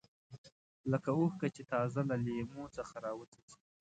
لکه اوښکه چې تازه له لیمو څخه راوڅڅېږي.